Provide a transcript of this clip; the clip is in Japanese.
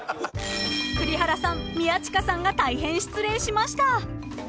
［栗原さん宮近さんが大変失礼しました］